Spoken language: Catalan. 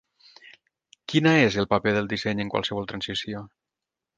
Quina és el paper del disseny en qualsevol transició?